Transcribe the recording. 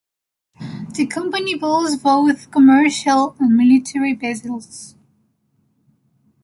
The company builds both commercial and military vessels.